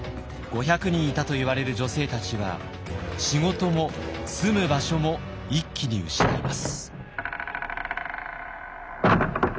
５００人いたといわれる女性たちは仕事も住む場所も一気に失います。